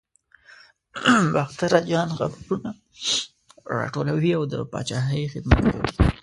باختر اجان خبرونه راټولوي او د پاچاهۍ خدمت کوي.